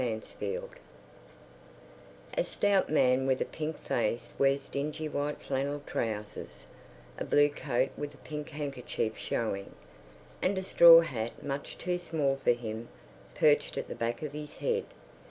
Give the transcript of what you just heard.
Bank Holiday A stout man with a pink face wears dingy white flannel trousers, a blue coat with a pink handkerchief showing, and a straw hat much too small for him, perched at the back of his head.